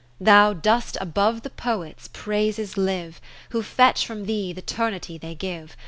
20 Thou dost above the Poets, praises live, Who fetch from thee th' eternity they give.